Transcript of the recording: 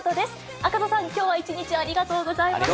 赤楚さん、きょうは一日、ありがとうございました。